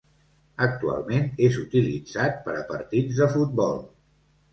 Actualment és utilitzat per a partits de futbol.